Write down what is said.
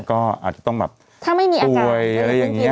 ก็อาจจะต้องแบบตวยอะไรอย่างนี้